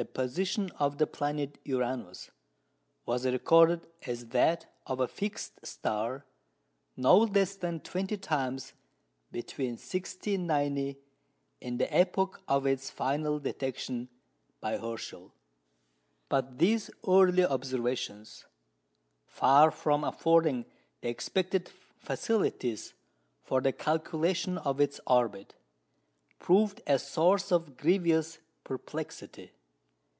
The position of the planet Uranus was recorded as that of a fixed star no less than twenty times between 1690 and the epoch of its final detection by Herschel. But these early observations, far from affording the expected facilities for the calculation of its orbit, proved a source of grievous perplexity.